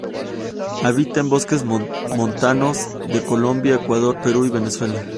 Habita en bosques montanos de Colombia, Ecuador, Perú y Venezuela.